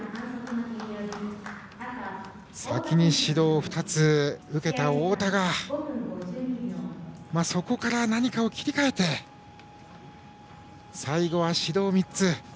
先に指導２つを受けた太田がそこから何かを切り替えて最後は指導３つ。